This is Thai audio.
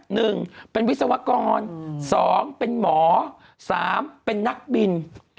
หนึ่งเป็นวิศวกรสองเป็นหมอสามเป็นนักบิน